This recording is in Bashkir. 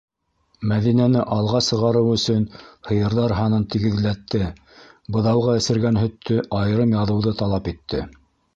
Мәҙинәне алға сығарыу өсөн һыйырҙар һанын тигеҙләтте, быҙауға эсергән һөттө айырым яҙыуҙы талап итә!